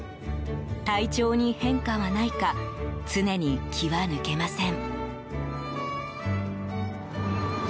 体調に変化はないか常に気は抜けません。